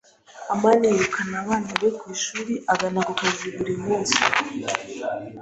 amani yirukana abana be ku ishuri agana ku kazi buri munsi.